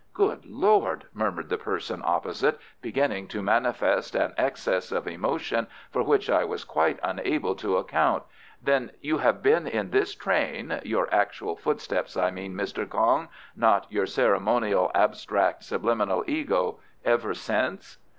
"Good lord!" murmured the person opposite, beginning to manifest an excess of emotion for which I was quite unable to account. "Then you have been in this train your actual footsteps I mean, Mr. Kong; not your ceremonial abstract subliminal ego ever since?"